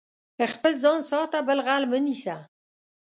خپل ځان ساته، بل غل مه نيسه.